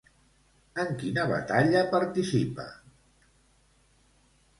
En quina batalla participa?